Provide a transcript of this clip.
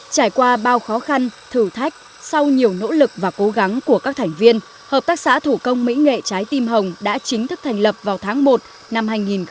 trải qua bao khó khăn thử thách sau nhiều nỗ lực và cố gắng của các thành viên hợp tác xã thủ công mỹ nghệ trái tim hồng đã chính thức thành lập vào tháng một năm hai nghìn một mươi chín